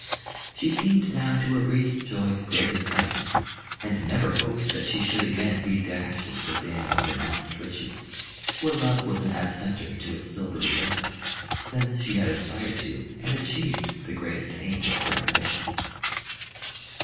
She seemed now to have reached joy's greatest height, and never hoped that she should again be dashed into the dam of denounced riches, where love was an absenter to its silvery depth; since she had aspired to and achieved the greatest aim of her ambition.